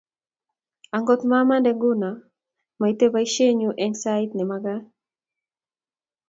Angot mamande nguno, maite boishenyu eng sait ne makaat